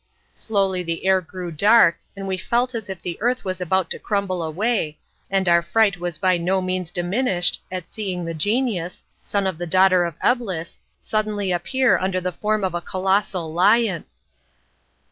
Slowly the air grew dark, and we felt as if the earth was about to crumble away, and our fright was by no means diminished at seeing the genius, son of the daughter of Eblis, suddenly appear under the form of a colossal lion.